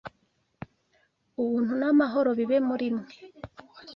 Ubuntu n’amahoro bibe muri mwe